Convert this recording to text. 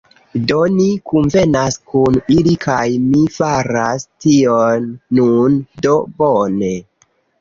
Do, ni kunvenas kun ili kaj mi faras tion nun. Do bone.